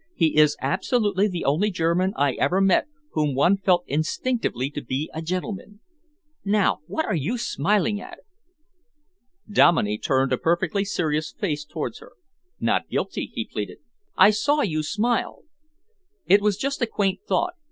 He is absolutely the only German I ever met whom one felt instinctively to be a gentleman. Now what are you smiling at?" Dominey turned a perfectly serious face towards her. "Not guilty," he pleaded. "I saw you smile." "It was just a quaint thought.